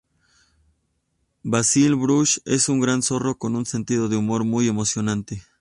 Basil Brush es un gran zorro con un sentido del humor muy emocionante.